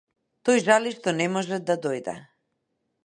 Тој жали што не може да дојде.